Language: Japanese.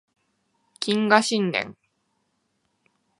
謹賀新年